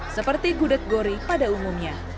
seperti gudeg gori pada umumnya